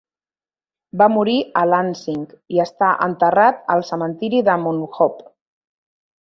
Va morir a Lansing i està enterrat al cementiri de Mount Hope.